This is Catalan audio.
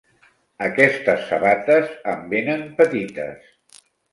Aquestes sabates em venen petites.